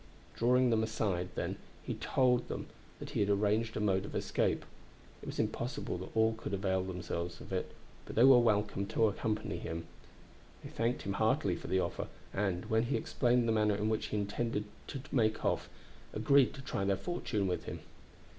Drawing them aside, then, he told them that he had arranged a mode of escape; it was impossible that all could avail themselves of it, but that they were welcome to accompany him. They thanked him heartily for the offer, and, when he explained the manner in which he intended to make off, agreed to try their fortune with him.